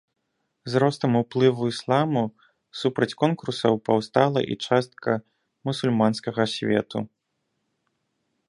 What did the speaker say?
З ростам уплыву ісламу супраць конкурсаў паўстала і частка мусульманскага свету.